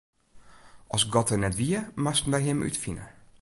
As God der net wie, moasten wy Him útfine.